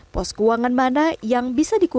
pos keuangan mana yang bisa digunakan